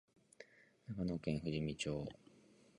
長野県富士見町